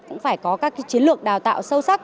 cũng phải có các chiến lược đào tạo sâu sắc